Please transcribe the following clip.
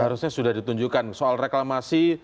harusnya sudah ditunjukkan soal reklamasi